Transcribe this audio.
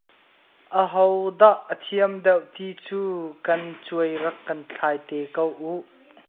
Ahodah a thiam deuh ti cu kan cuai rak kan thlai te ko uh.